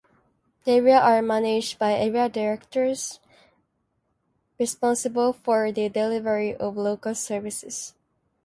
The areas are managed by area directors, responsible for the delivery of local services.